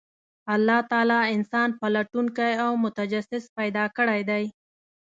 الله تعالی انسان پلټونکی او متجسس پیدا کړی دی،